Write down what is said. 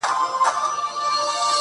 هوا ژړيږي له چينار سره خبرې کوي~